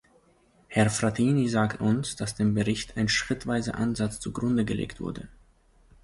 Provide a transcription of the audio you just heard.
Herr Frattini sagt uns, dass dem Bericht ein schrittweiser Ansatz zugrunde gelegt wurde.